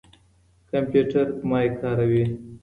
کمپيوټر مايک کاروي.